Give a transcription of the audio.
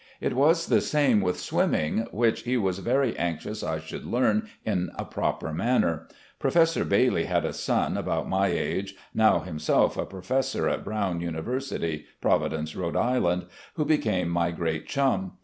It was the same with swimming, which he was very anx ious I should learn in a proper manner. Professor Bailey had a son about my age, now himself a professor at Brown University, Providence, Rhode Island, who became my great chum.